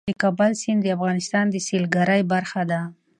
د کابل سیند د افغانستان د سیلګرۍ برخه ده.